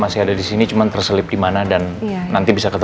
syangguhnya tangan l continuousvalue sudah t brandon dan siap buat cat